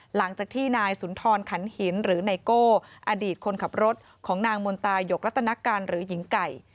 หลังจากที่นายสุนทรขันหินหรือไนโก้อดีตคนขับรถของนางมนตายกรัตนการหรือหญิงไก่